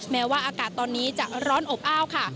แม้ว่าอากาศตอนนี้จะร้อนอบอ้าวค่ะ